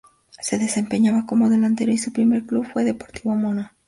Se desempeñaba como delantero y su primer club fue Deportivo Morón.